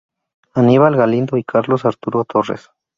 Aníbal Galindo y Carlos Arturo Torres.